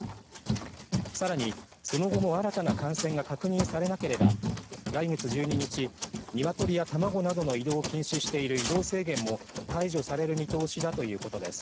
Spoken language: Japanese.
さらに、その後も新たな感染が確認されなければ来月１２日、ニワトリや卵などの移動を禁止している移動制限も解除される見通しだということです。